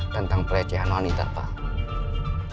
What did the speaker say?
tentang pelecehan wanita pak